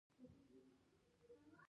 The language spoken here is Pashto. سوله او یووالی د خوشحاله ژوند اساس دی.